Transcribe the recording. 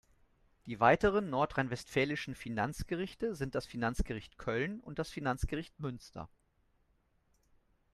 Die weiteren nordrhein-westfälischen Finanzgerichte sind das Finanzgericht Köln und das Finanzgericht Münster.